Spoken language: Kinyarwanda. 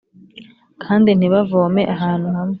kandi ntibavome ahantu hamwe